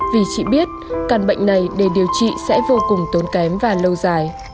vì chị biết căn bệnh này để điều trị sẽ vô cùng tốn kém và lâu dài